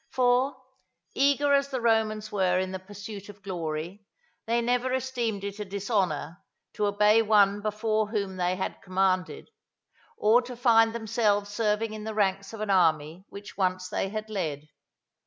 For, eager as the Romans were in the pursuit of glory, they never esteemed it a dishonour to obey one whom before they had commanded, or to find themselves serving in the ranks of an army which once they had led.